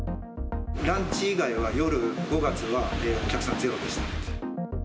ランチ以外は夜、５月はお客さんゼロでした。